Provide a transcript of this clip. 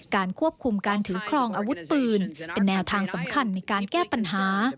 ควบคุมการถือครองอาวุธปืนเป็นแนวทางสำคัญในการแก้ปัญหา